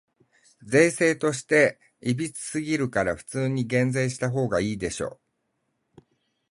税制として歪すぎるから、普通に減税したほうがいいでしょ。